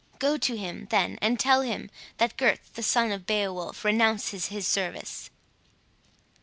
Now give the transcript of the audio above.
Go to him, then, and tell him that Gurth the son of Beowulph renounces his service."